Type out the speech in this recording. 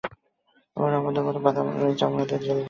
ওরা আমাদের মতো বাদামি চামড়াদের জেলে পুরতে ভালোবাসে।